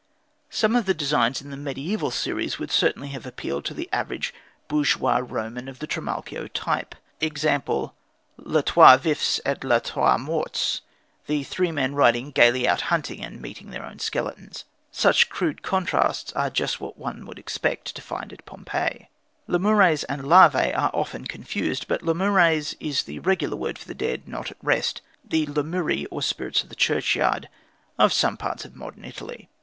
Some of the designs in the medieval series would certainly have appealed to the average bourgeois Roman of the Trimalchio type e.g., "Les Trois Vifs et les Trois Morts," the three men riding gaily out hunting and meeting their own skeletons. Such crude contrasts are just what one would expect to find at Pompeii. Lemures and Larvæ are often confused, but Lemures is the regular word for the dead not at rest the "Lemuri," or spirits of the churchyard, of some parts of modern Italy.